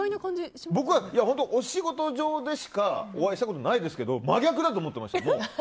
僕は、お仕事上でしかお会いしたことがないですけど真逆だと思っていました。